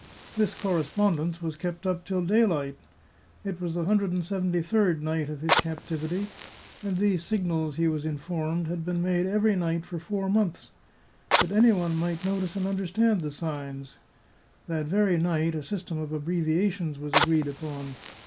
This correspondence was kept up till daylight. It was the hundred and seventy third night of his captivity, and these signals, he was informed, had been made every night 360 The Chartreuse of Parma for four months. But any one might notice and understand the signs; that very night a system of abbreviations was agreed upon.